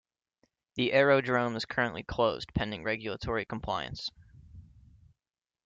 The aerodrome is currently closed pending regulatory compliance.